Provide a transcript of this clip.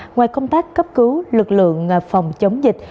ngoài công tác cấp cứu lực lượng phòng chống dịch